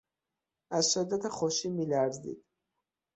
از شدت خوشی میلرزید.